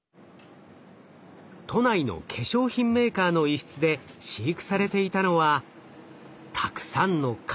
都内の化粧品メーカーの一室で飼育されていたのはたくさんの蚊！